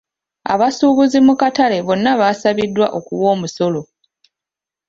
Abasubuzi mu katale bonna baasabiddwa okuwa omusolo.